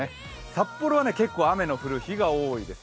札幌は結構雨の降る日が多いです。